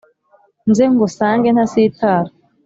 nze ngusange ntasitara